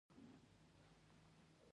بامونه یې تقریباً یو له بل سره لګېدلي دي.